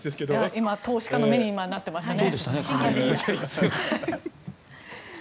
今、投資家の目になってますね。